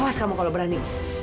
awas kamu kalau berani